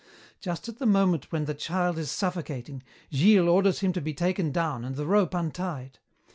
Just at the moment when the child is suffocating, Gilles orders him to be taken down and the rope untied.